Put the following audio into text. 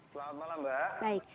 selamat malam mbak